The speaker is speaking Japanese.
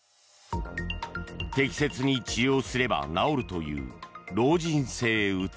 適切に治療すれば治るという老人性うつ。